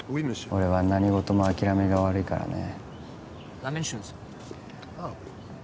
俺は何事も諦めが悪いからね